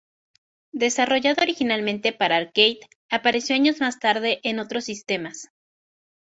Desarrollado originalmente para arcade, apareció años más tarde en otros sistemas.